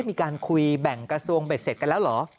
มีการคุยแบ่งกระทรวงเบ็ดเสร็จกันแล้วเหรอ